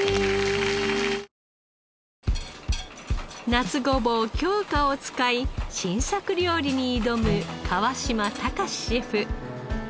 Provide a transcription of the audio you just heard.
夏ごぼう京香を使い新作料理に挑む川島孝シェフ。